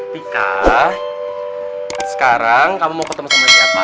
tika sekarang kamu mau ketemu sama siapa